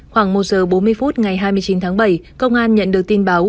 khoảng một giờ bốn mươi phút ngày hai mươi chín tháng bảy công an nhận được tin báo